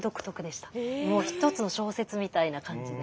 もう一つの小説みたいな感じで。